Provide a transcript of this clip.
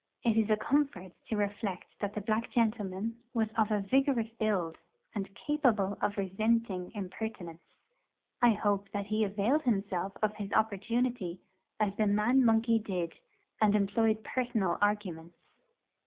It is a comfort to reflect that the black gentleman was of a vigorous build, and capable of resenting impertinence. I hope that he availed himself of his opportunity, as the man monkey did, and employed personal arguments.